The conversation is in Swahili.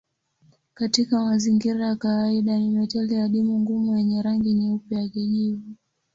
Katika mazingira ya kawaida ni metali adimu ngumu yenye rangi nyeupe ya kijivu.